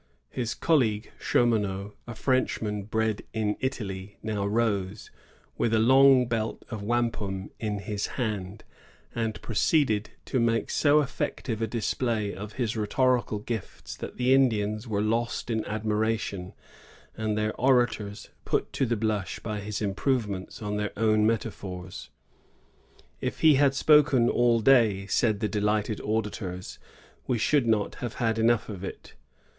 His colleague, Chaumonot, a Frenchman fared in Italy, now rose, with a long belt of wampum in his hand, and proceeded to make so effective a display of his rhetorical gifts that the Indians were lost in admiration, and their orators put to the blush by his improvements on their own metaphors. *^If he had spoken all day," said the delighted auditors, we should not have had enough of it."